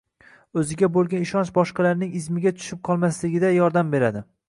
O‘ziga bo‘lgan ishonch boshqalarning izmiga tushib qolmasligida yordam beradi